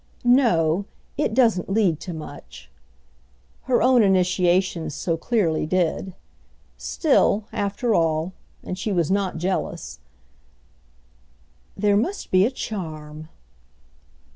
"No—it doesn't lead to much." Her own initiations so clearly did. Still—after all; and she was not jealous: "There must be a charm."